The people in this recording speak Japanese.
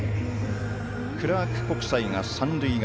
クラーク国際が三塁側。